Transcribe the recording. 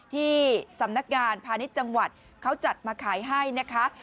ที่สำนักงานพาณิชย์จังหวัดเขาจัดมาขายให้นะคะ